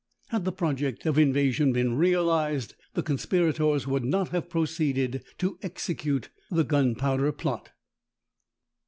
Had the project of invasion been realised, the conspirators would not have proceeded to execute the Gunpowder Plot.